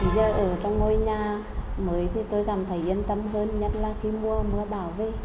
giờ ở trong ngôi nhà mới thì tôi cảm thấy yên tâm hơn nhất là khi mùa mưa bão về